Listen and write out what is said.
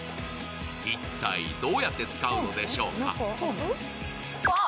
一体どうやって使うのでしょうか？